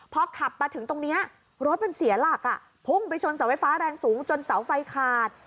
พอขับมาถึงตรงนี้รถมันเสียหลักพุ่งไปชนเสาไฟฟ้าแรงสูงจนเสาไฟขาด